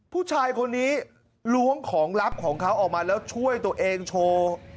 ผู้ชายคนนี้ล้วงของลับของเขาออกมาแล้วช่วยตัวเองโชว์